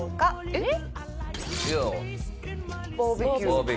えっ？